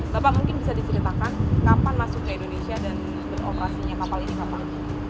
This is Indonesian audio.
bapak mungkin bisa diceritakan kapan masuk ke indonesia dan beroperasinya kapal ini kapan